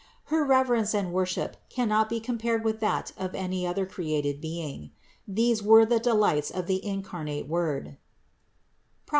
Her reverence and worship cannot be compared with that of any other created being. These were the delights of the incarnate Word (Prov.